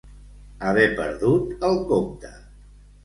Haver perdut el compte.